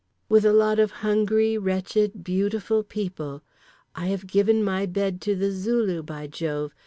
with a lot of hungry wretched beautiful people—I have given my bed to The Zulu, by Jove!